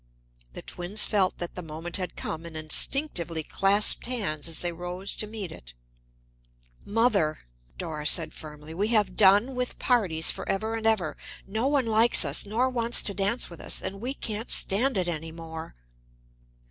The twins felt that the moment had come, and instinctively clasped hands as they rose to meet it. "Mother," said Dora firmly, "we have done with parties forever and ever. No one likes us nor wants to dance with us, and we can't stand it any more."